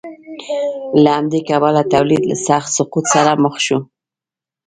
له همدې کبله تولید له سخت سقوط سره مخ شو